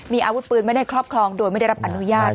มีอาวุธปืนไว้ในครอบครองโดยไม่ได้รับอนุญาต